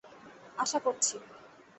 আশা করছি।